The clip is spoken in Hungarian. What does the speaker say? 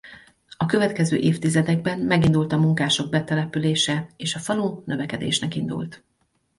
A következő évtizedekben megindult a munkások betelepülése és a falu növekedésnek indult.